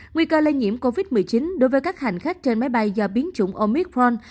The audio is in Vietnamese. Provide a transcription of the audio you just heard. nguy cơ lây nhiễm covid một mươi chín đối với các hành khách trên máy bay do biến chủng omithron